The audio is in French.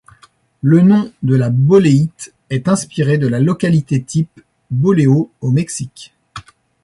Le nom de la boléite est inspiré de la localité-type, Boleo au Mexique.